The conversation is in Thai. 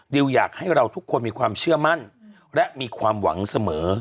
อยากให้เราทุกคนมีความเชื่อมั่นและมีความหวังเสมอ